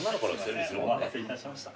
お待たせいたしました。